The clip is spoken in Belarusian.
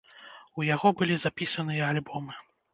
У яго былі запісаныя альбомы.